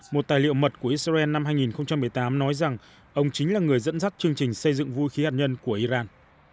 một tài liệu mật của israel năm hai nghìn một mươi tám nói rằng ông chính là người dẫn dắt chương trình xây dựng vũ khí hạt nhân của iran